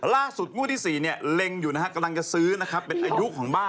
ล่าศุดมูศท์ที่สี่เนี่ยเหล่งอยู่นะฮะกำลังจะซื้อนะครับเป็นอายุของบ้าน